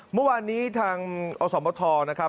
เมื่อวานนี้ทางอศมธทร์